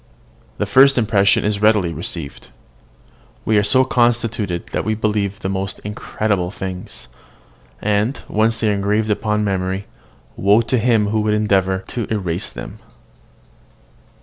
The first impression is readily received. We are so constituted that we believe the most incredible things; and, once they are engraved upon the memory, woe to him who would endeavour to efface them.